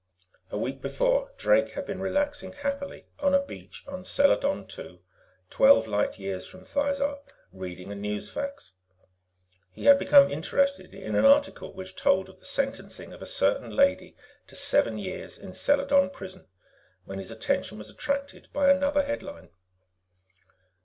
A week before, Drake had been relaxing happily on a beach on Seladon II, twelve light years from Thizar, reading a newsfax. He had become interested in an article which told of the sentencing of a certain lady to seven years in Seladon Prison, when his attention was attracted by another headline.